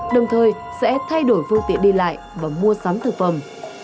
đồng thời sẽ thay đổi phương tiện đi lại và mua sắm thực phẩm